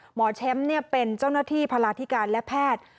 หมอแชมป์เป็นเจ้าหน้าที่พลาธิการและแพทย์